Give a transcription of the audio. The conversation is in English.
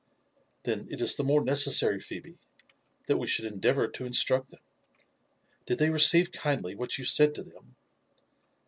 "Then it is the more necessary, Phebe, that we should endeavour to instruct them. Did they receive kindly what you said to them